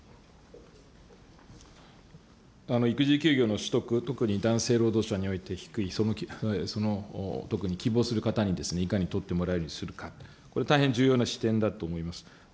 育児休業の取得、特に男性労働者において低い、その特に希望する方に、いかに取ってもらえるようにするか、これ、大変重要な視点だと思います。